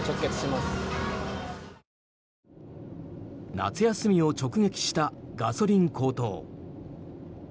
夏休みを直撃したガソリン高騰。